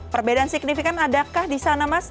perbedaan signifikan adakah di sana mas